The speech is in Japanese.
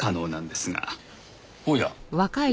おや？